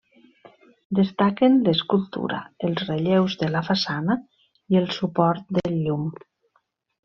Destaquen l'escultura, els relleus de la façana i el suport del llum.